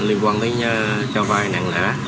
liên quan đến cho vai nặng lã